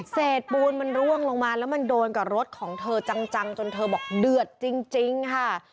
เสร็จปูนมันร่วงลงมาแล้วมันโดนกับรถของเธอจังจนเธอบอกเดือดจริงค่ะ